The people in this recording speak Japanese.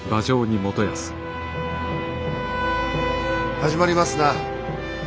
始まりますな。